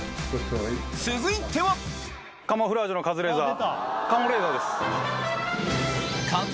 続いてはカモフラージュのカズレーザー。